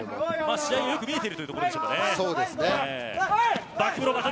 試合がよく見えているということでしょうか。